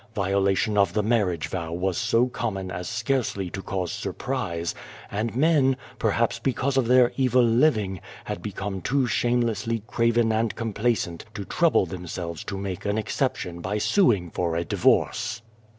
Violation of the marriage vow was so common as scarcely to cause surprise ; and men, perhaps because of their evil living, had become too shamelessly craven and complacent to trouble themselves to make an exception by sueing for a divorce.